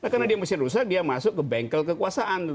karena dia mesin rusak dia masuk ke bengkel kekuasaan